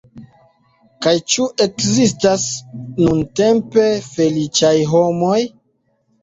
Kaj ĉu ekzistas nuntempe feliĉaj homoj?